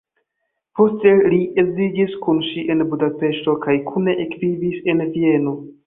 Poste li edziĝis kun ŝi en Budapeŝto kaj kune ekvivis en Vieno.